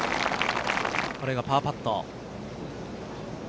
これがパーパット。